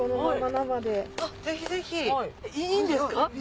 ぜひぜひいいんですか？